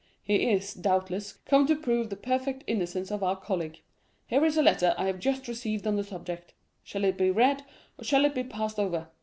He is, doubtless, come to prove the perfect innocence of our colleague. Here is a letter I have just received on the subject; shall it be read, or shall it be passed over?